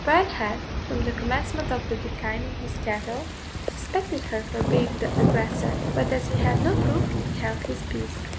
Bryan had, from the commencement of the decline in his cattle, suspected her for being the aggressor, but as he had no proof, he held his peace.